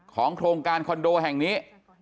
โครงการคอนโดแห่งนี้